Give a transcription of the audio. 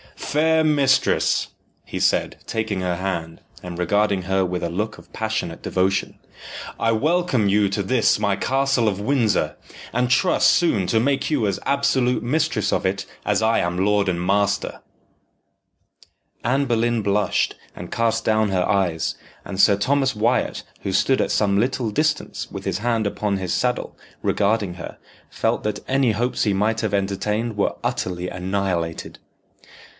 "Fair mistress," he said, taking her hand, and regarding her with a look of passionate devotion, "I welcome you to this my castle of Windsor, and trust soon to make you as absolute mistress of it as I am lord and master." Anne Boleyn blushed, and cast down her eyes, and Sir Thomas Wyat, who stood at some little distance with his hand upon his saddle, regarding her, felt that any hopes he might have entertained were utterly annihilated.